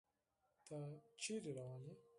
تۀ چېرته روان يې ؟